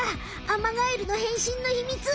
アマガエルの変身のひみつ